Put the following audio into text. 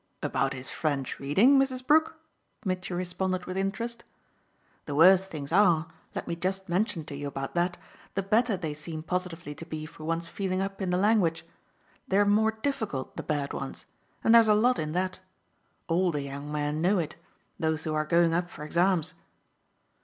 "About his French reading, Mrs. Brook?" Mitchy responded with interest. "The worse things are, let me just mention to you about that, the better they seem positively to be for one's feeling up in the language. They're more difficult, the bad ones and there's a lot in that. All the young men know it those who are going up for exams."